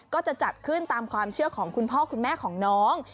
ก็จะจัดขึ้นตามความเชื่อของคุณพ่อคุณแม่ของน้อง